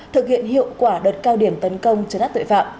thực hiện hiệu quả đợt cao điểm tấn công cho đất tội phạm